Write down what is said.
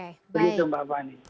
itu mbak fani